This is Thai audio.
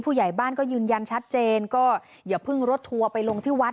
ผู้ใหญ่บ้านก็ยืนยันชัดเจนก็อย่าเพิ่งรถทัวร์ไปลงที่วัด